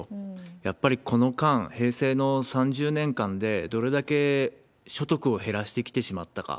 やっぱりこの間、平成の３０年間でどれだけ所得を減らしてきてしまったか。